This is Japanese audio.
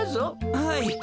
はい！